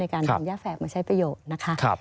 การจับพรรษไฟล์มาใช้ประโยชน์นะคะครับ